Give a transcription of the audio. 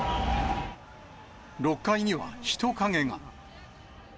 ６階には人影が。